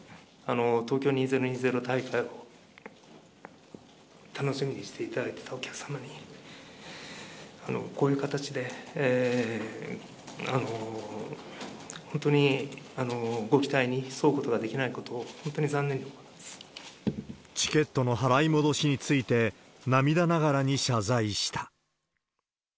東京２０２０大会を楽しみにしていただいていたお客様に、こういう形で本当にご期待に添うことができないこと、本当に残念チケットの払い戻しについて、涙ながらに謝罪した。